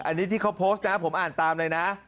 อันนี้ที่เขาโพสต์นะผมอ่านตามเลยนะ